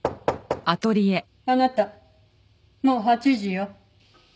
あなたもう８時よ。